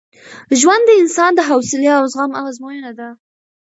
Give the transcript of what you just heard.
ژوند د انسان د حوصلې او زغم ازموینه ده.